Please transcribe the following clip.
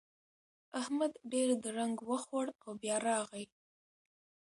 احمد ډېر درنګ وخوړ او بيا راغی.